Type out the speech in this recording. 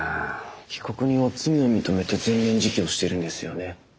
被告人は罪を認めて全面自供してるんですよね。